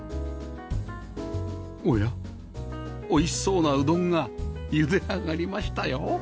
おやおいしそうなうどんがゆで上がりましたよ